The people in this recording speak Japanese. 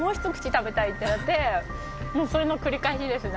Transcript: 食べたいってなってもうそれの繰り返しですね